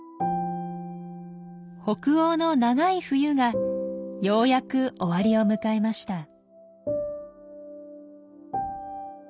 北欧の長い冬がようやく終わりを迎えました。